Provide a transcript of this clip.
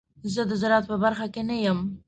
زه د زراعت په برخه کې نه یم.